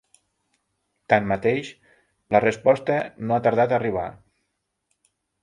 Tanmateix, la resposta no ha tardat a arribar.